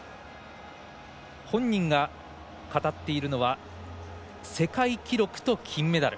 本人が語っているのは世界記録と金メダル。